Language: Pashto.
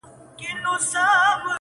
انساني حقونه تر پښو للاندي کيږي,